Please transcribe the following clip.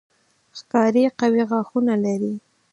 ښکاري قوي غاښونه لري.